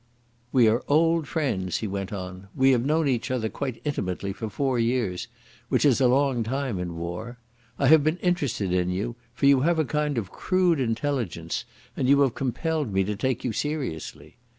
"We are old friends," he went on. "We have known each other quite intimately for four years, which is a long time in war. I have been interested in you, for you have a kind of crude intelligence, and you have compelled me to take you seriously.